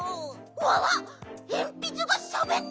わわっえんぴつがしゃべってる！